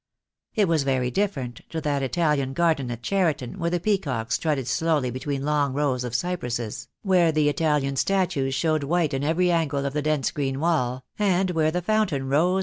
It was very different to that Italian garden at Cheriton where the peacocks strutted slowly between long rows of cypresses, where the Italian statues showed white in every angle of the dense green wall, and where 66 THE DAY WILL COME.